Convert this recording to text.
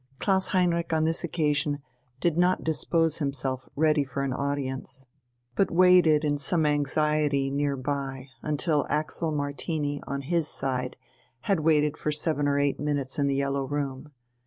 Klaus Heinrich on this occasion did not dispose himself ready for an audience, but waited in some anxiety near by, until Axel Martini on his side had waited for seven or eight minutes in the yellow room.